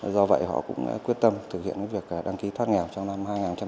do vậy họ cũng đã quyết tâm thực hiện cái việc đăng ký thoát nghèo trong năm hai nghìn một mươi tám